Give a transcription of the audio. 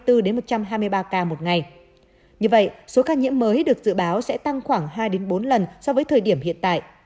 trong thời gian này số ca nhiễm mới được dự báo sẽ tăng khoảng hai bốn lần so với thời điểm hiện tại